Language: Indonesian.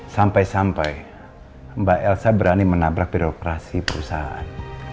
sampai sampai mbak elsa berani menabrak birokrasi perusahaan